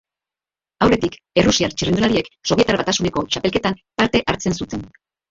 Aurretik, errusiar txirrindulariek Sobietar Batasuneko txapelketan parte hartzen zuten.